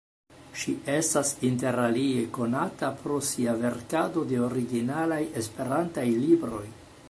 Ŝi estas interalie konata pro sia verkado de originalaj esperantaj libroj.